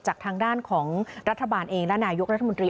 จากทางด้านของรัฐบาลเองและนายกรัฐมนตรี